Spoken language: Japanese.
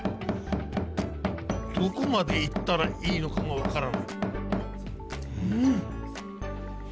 どこまで行ったらいいのかが分からない。